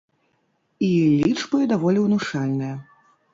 І лічбы даволі ўнушальныя.